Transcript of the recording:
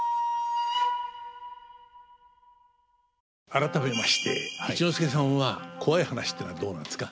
改めまして一之輔さんはコワい話っていうのはどうなんですか？